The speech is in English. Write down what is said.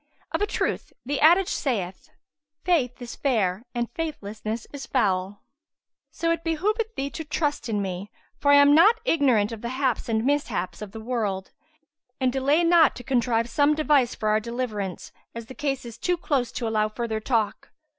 Of a truth the adage saith, 'Faith is fair and faithlessness is foul.'[FN#162] So it behoveth thee to trust in me, for I am not ignorant of the haps and mishaps of the world; and delay not to contrive some device for our deliverance, as the case is too close to allow further talk."